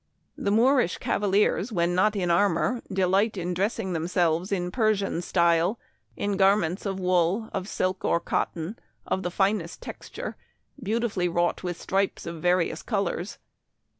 " The Moorish cavaliers, when not in armor, delight in dressing themselves in Persian style, in garments of wool, of silk, or cotton, of the finest texture, beautifully wrought with stripes of various colors.